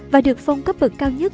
và được phong cấp bật cao nhất